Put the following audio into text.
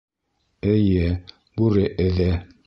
Эйе, бүре эҙе.